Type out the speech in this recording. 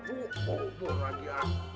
bu bubur lagi ah